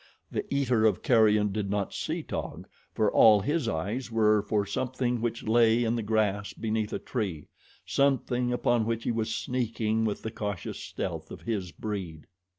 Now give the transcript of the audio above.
The eater of carrion did not see Taug, for all his eyes were for something which lay in the grass beneath a tree something upon which he was sneaking with the cautious stealth of his breed.